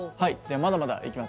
まだまだ、いきます。